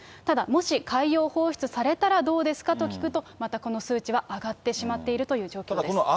ただ、もし海洋放出されたらどうですかと聞くと、またこの数値は上がってしまっているという状況です。